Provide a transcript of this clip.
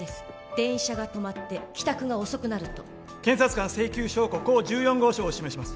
電車が止まって帰宅が遅くなると検察官請求証拠甲十四号証を示します